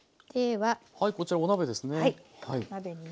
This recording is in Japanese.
はいこちらお鍋ですね。